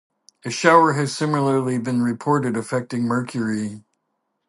A shower has similarly been reported affecting Mercury.